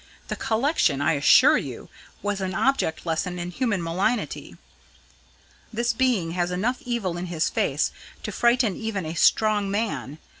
The collection, I assure you, was an object lesson in human malignity. This being has enough evil in his face to frighten even a strong man.